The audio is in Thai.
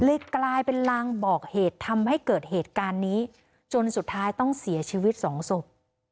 กลายเป็นลางบอกเหตุทำให้เกิดเหตุการณ์นี้จนสุดท้ายต้องเสียชีวิตสองศพ